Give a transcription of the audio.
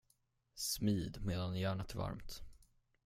Smid medan järnet är varmt.